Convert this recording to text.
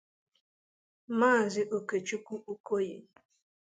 Maazị Okechukwu Okoye